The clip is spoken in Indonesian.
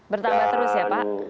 bertambah terus ya pak